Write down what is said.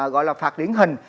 gọi là phạt điển hình